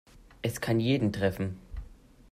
Es kann jeden treffen.